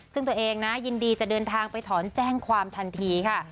ซึ่งตัวเองนะยินดีจะเดินทางไปถอนแจ้งความทันทีค่ะ